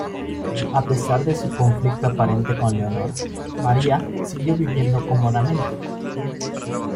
A pesar de su conflicto aparente con Leonor, María siguió viviendo cómodamente.